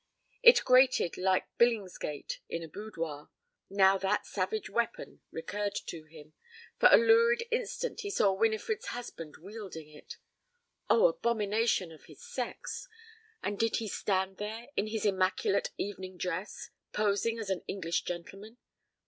It grated like Billingsgate in a boudoir. Now that savage weapon recurred to him for a lurid instant he saw Winifred's husband wielding it. Oh, abomination of his sex! And did he stand there, in his immaculate evening dress, posing as an English gentleman?